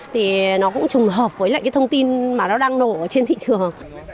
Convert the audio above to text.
thì nó cũng trùng hợp với lại cái thông tin mà nó đang nổ trên thị trường